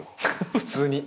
普通に。